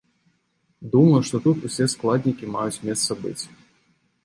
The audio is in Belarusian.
Думаю, што тут ўсе складнікі маюць месца быць.